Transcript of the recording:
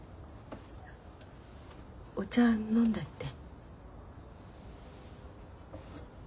お茶飲んでって。